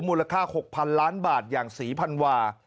มูลค่า๖๐๐๐ล้านบาทอย่างศรีพันวา